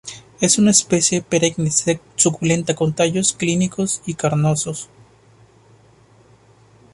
Es una especie perenne suculenta con tallo cilíndrico y carnoso.